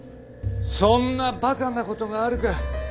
そんなバカなことがあるか。